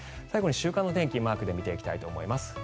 最後に週間の天気マークで見ていきたいと思います。